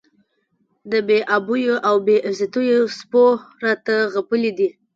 د بې آبیو او بې عزتیو سپو راته غپلي دي.